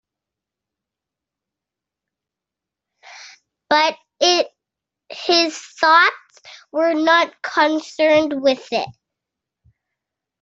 But his thoughts were not concerned with it.